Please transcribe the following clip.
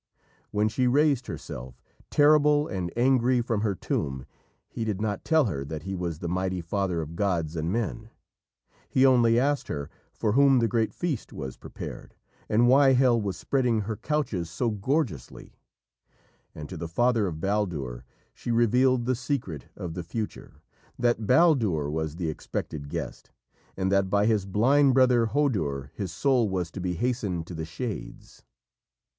When she raised herself, terrible and angry from her tomb, he did not tell her that he was the mighty father of gods and men. He only asked her for whom the great feast was prepared, and why Hel was spreading her couches so gorgeously. And to the father of Baldur she revealed the secret of the future, that Baldur was the expected guest, and that by his blind brother Hodur his soul was to be hastened to the Shades.